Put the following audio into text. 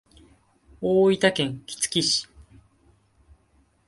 大分県杵築市